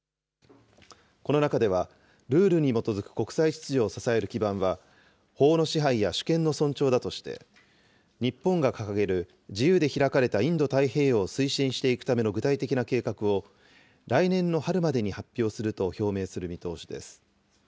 この中では、ルールに基づく国際秩序を支える基盤は、法の支配や主権の尊重だとして、日本が掲げる、自由で開かれたインド太平洋を推進していくための具体的な計画を、来年の春までに発表すると表明する見通しです。